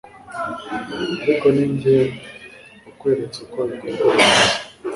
ariko ninjye wakweretse uko bikorwa byose